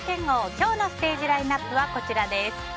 今日のステージラインアップはこちらです。